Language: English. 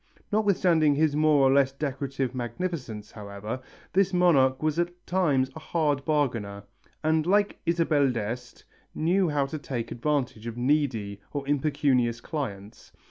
Notwithstanding his more or less decorative magnificence, however, this monarch was at times a hard bargainer, and like Isabella d'Este, knew how to take advantage of needy or impecunious clients.